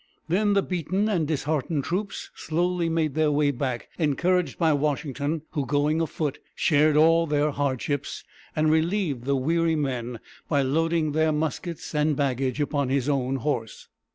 Then the beaten and disheartened troops slowly made their way back, encouraged by Washington, who, going afoot, shared all their hardships, and relieved the weary men by loading their muskets and baggage upon his own horse.